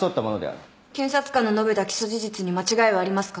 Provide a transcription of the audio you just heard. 検察官の述べた起訴事実に間違いはありますか。